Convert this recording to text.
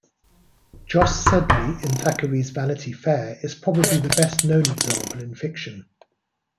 Jos Sedley in Thackeray's "Vanity Fair" is probably the best known example in fiction.